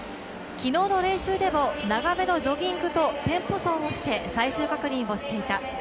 昨日の練習でも長めのジョギングとテンポさを合わせて再確認をしていた。